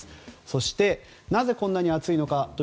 そして、なぜこんなに暑いのか。